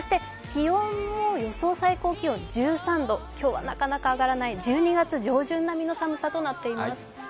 気温も予想最高気温１３度今日はなかなか上がらない１２月上旬並みの寒さとなっています。